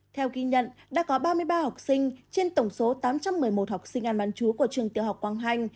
theo ghi nhận đã có ba mươi ba học sinh trên tổng số tám trăm một mươi một học sinh ăn bán chú của trường tiểu học quang hanh